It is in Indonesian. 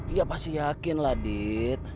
iya pasti yakin lah dit